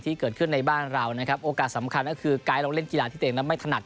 ที่เกิดขึ้นในบ้านเรานะครับโอกาสสำคัญก็คือไกด์เราเล่นกีฬาที่ตัวเองนั้นไม่ถนัด